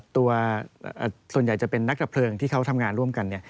ส่วนใหญ่จะเป็นนักดับเพลิงที่เขาทำงานร่วมกัน